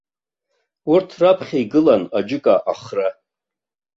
Урҭ раԥхьа игылан аџьыка ахра.